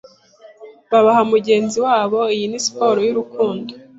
babaha mugenzi wabo Iyi ni siporo yurukundo